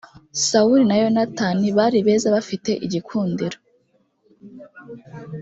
sawuli na yonatani bari beza bafite igikundiro